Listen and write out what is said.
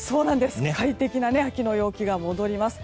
快適な秋の陽気が戻ります。